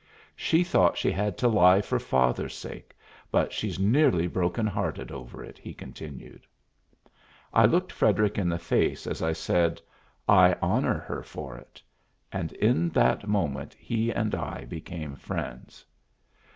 "She thought she had to lie for father's sake, but she's nearly broken hearted over it," he continued. I looked Frederic in the face as I said, "I honor her for it," and in that moment he and I became friends.